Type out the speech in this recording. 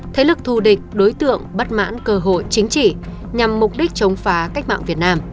thế lực thù địch đối tượng bất mãn cơ hội chính trị nhằm mục đích chống phá cách mạng việt nam